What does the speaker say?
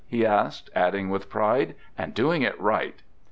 " he asks, adding with pride, " and doing it right."